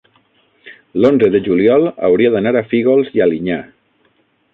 l'onze de juliol hauria d'anar a Fígols i Alinyà.